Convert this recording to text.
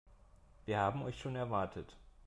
Wir haben euch schon erwartet.